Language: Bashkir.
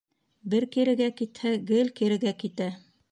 Бер кирегә китһә, гел кирегә китә.